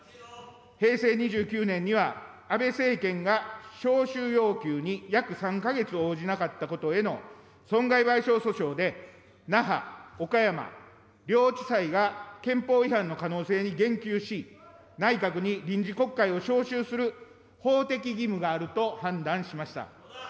平成２９年には、安倍政権が召集要求に約３か月応じなかったことへの損害賠償訴訟で、那覇、岡山両地裁が憲法違反の可能性に言及し、内閣に臨時国会を召集する法的義務があると判断しました。